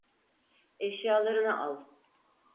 Eşyalarını al.